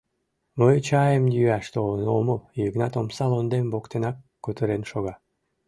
— Мый чайым йӱаш толын омыл, — Йыгнат омса лондем воктенак кутырен шога.